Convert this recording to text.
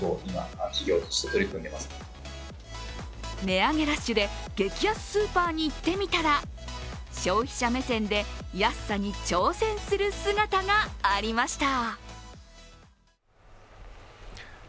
値上げラッシュで激安スーパーに行ってみたら、消費者目線で安さに挑戦する姿がありました。